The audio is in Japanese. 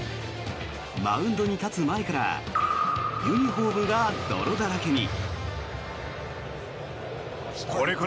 マウンドに立つ前からユニホームが泥だらけに。